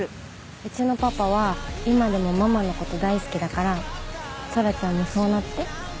うちのパパは今でもママの事大好きだからトラちゃんもそうなって。